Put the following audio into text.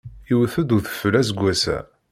Iwet-d udfel aseggas-a.